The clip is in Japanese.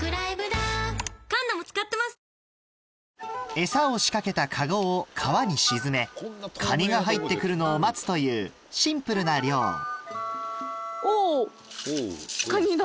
エサを仕掛けたカゴを川に沈めカニが入って来るのを待つというシンプルな漁おぉカニだ。